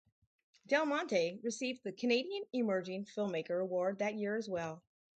Del Monte received the Canadian Emerging Filmmaker award that year as well.